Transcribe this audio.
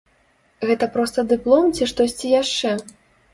Гэта проста дыплом ці штосьці яшчэ?